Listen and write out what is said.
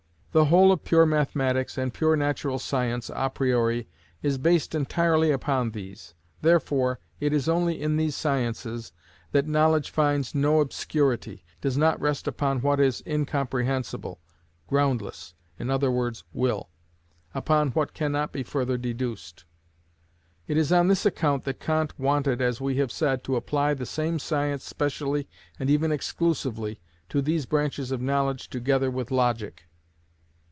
The whole of pure mathematics and pure natural science a priori is based entirely upon these. Therefore it is only in these sciences that knowledge finds no obscurity, does not rest upon what is incomprehensible (groundless, i.e., will), upon what cannot be further deduced. It is on this account that Kant wanted, as we have said, to apply the name science specially and even exclusively to these branches of knowledge together with logic.